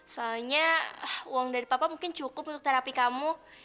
soalnya uang dari papa mungkin cukup untuk terapi kamu